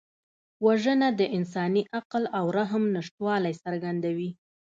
وژنه د انساني عقل او رحم نشتوالی څرګندوي